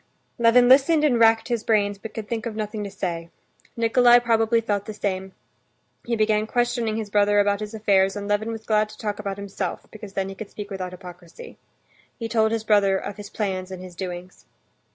Levin listened and racked his brains, but could think of nothing to say. Nikolay probably felt the same; he began questioning his brother about his affairs; and Levin was glad to talk about himself, because then he could speak without hypocrisy. He told his brother of his plans and his doings.